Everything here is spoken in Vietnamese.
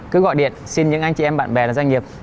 cứ gọi điện xin những anh chị em bạn bè là doanh nghiệp